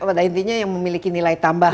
tapi pada intinya yang memiliki nilai tambah lah